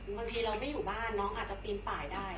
บางทีเราไม่อยู่บ้านน้องอาจจะปีนป่ายได้